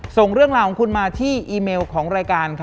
ส่งเรื่องราวของคุณมาที่อีเมลของรายการ